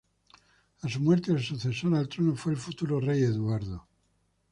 A su muerte, el sucesor al trono fue el futuro rey Eduardo.